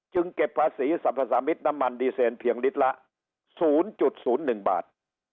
เก็บภาษีสรรพสามิตรน้ำมันดีเซนเพียงลิตรละ๐๐๑บาท